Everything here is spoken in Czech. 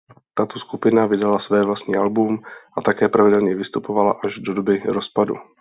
Tato skupina vydala své vlastní album a také pravidelně vystupovala až do doby rozpadu.